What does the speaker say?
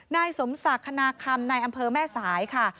นายสมศักดิ์คณาคำในอำเภอแม่สายค่ะ